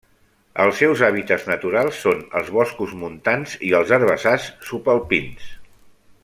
Els seus hàbitats naturals són els boscos montans i els herbassars subalpins.